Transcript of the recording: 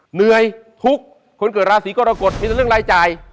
เหนื่อยทุกคนเกิดราศีกรกฎมีแต่เรื่องรายจ่าย